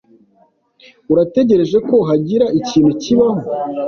Urategereje ko hagira ikintu kibaho?